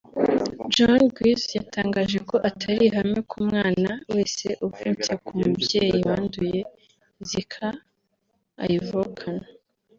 Joan Guiz yatangaje ko atari ihame ko umwana wese uvutse ku mubyeyi wanduye Zika ayivukana